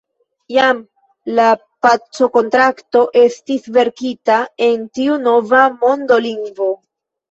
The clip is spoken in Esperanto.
Jam la pacokontrakto estis verkita en tiu nova mondolingvo.